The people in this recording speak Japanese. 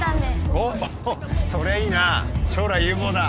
おっそりゃいいなぁ将来有望だ。